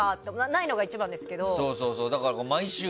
ないのが一番ですけど。